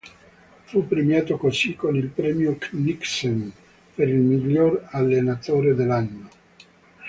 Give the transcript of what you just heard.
Fu premiato così con il premio Kniksen per il miglior allenatore dell'anno.